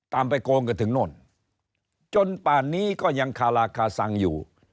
ไปโกงกันถึงโน่นจนป่านนี้ก็ยังคาราคาซังอยู่